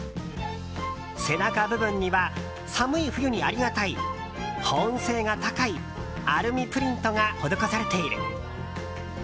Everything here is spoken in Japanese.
背中部分には寒い冬にありがたい保温性が高いアルミプリントが施されている。